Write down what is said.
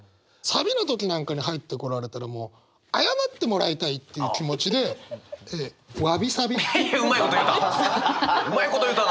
サビの時なんかに入ってこられたらもう謝ってもらいたいっていう気持ちでうまいこと言うた！